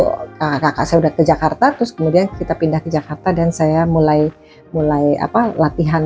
waktu kakak saya udah ke jakarta terus kemudian kita pindah ke jakarta dan saya mulai latihan